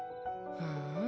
ふん。